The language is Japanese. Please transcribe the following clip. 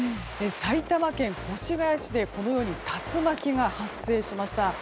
埼玉県越谷市でこのように竜巻が発生しました。